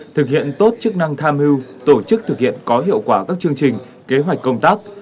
thực hiện tốt chức năng tham mưu tổ chức thực hiện có hiệu quả các chương trình kế hoạch công tác